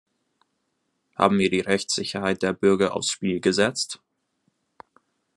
Haben wir die Rechtssicherheit der Bürger aufs Spiel gesetzt?